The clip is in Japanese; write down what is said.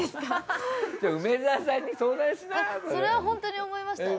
それはホントに思いました。